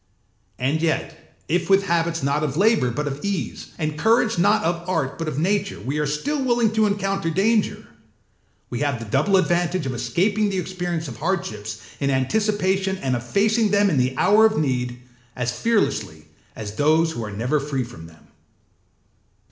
And yet if with habits not of labour but of ease, and courage not of art but of nature, we are still willing to encounter danger, we have the double advantage of escaping the experience of hardships in anticipation and of facing them in the hour of need as fearlessly as those who are never free from them.